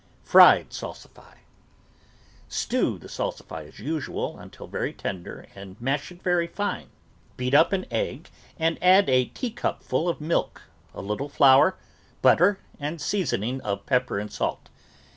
FRIED SALSIFY Stew the salsify as usual until very tender and mash it very fine. Beat up an egg and add a tea cupful of milk, a little flour, butter, and seasoning of pepper and salt.